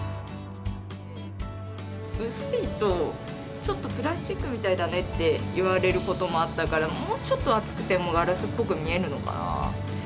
薄いとちょっとプラスチックみたいだねって言われることもあったからもうちょっと厚くてもガラスっぽく見えるのかな。